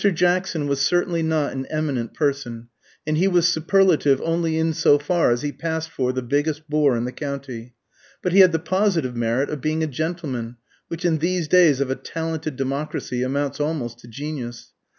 Jackson was certainly not an eminent person, and he was superlative only in so far as he passed for "the biggest bore in the county"; but he had the positive merit of being a gentleman, which in these days of a talented democracy amounts almost to genius.